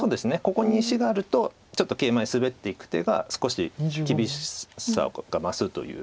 ここに石があるとちょっとケイマにスベっていく手が少し厳しさが増すということがありますよね。